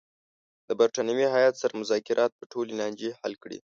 د برټانوي هیات سره مذاکرات به ټولې لانجې حل کړي.